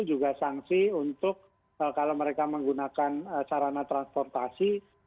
juga sanksi untuk kalau mereka menggunakan sarana transportasi